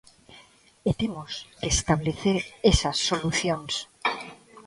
E temos que establecer esas solucións.